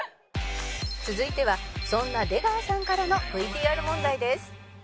続いてはそんな出川さんからの ＶＴＲ 問題です